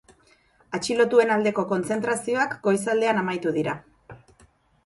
Atxilotuen aldeko kontzentrazioak goizaldean amaitu dira.